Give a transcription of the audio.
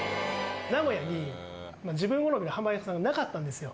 名古屋に、自分好みのハンバーグ屋さんがなかったんですよ。